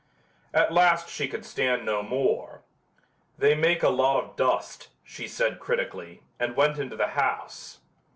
At last she could stand no more. "They make a lot of dust," she said critically, and went into the house.